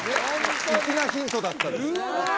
粋なヒントだったんですうわ